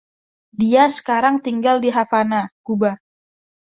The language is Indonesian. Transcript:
Dia sekarang tinggal di Havana, Cuba.